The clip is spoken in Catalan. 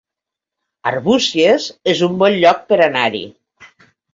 Arbúcies es un bon lloc per anar-hi